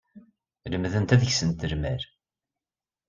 Lemdent ad ksent lmal.